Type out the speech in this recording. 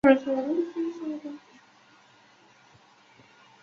头颅骨很短及高。